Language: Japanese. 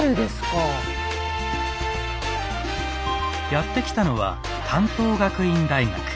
やって来たのは関東学院大学。